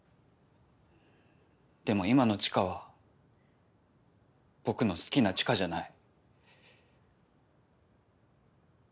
でも今の知花は僕の好きな知花じゃない。